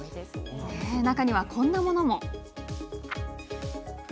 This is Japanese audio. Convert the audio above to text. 中には、こんなものも。